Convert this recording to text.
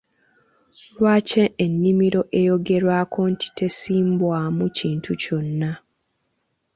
Lwaki ennimiro eyogerwako nti tesimbwamu kintu kyonna?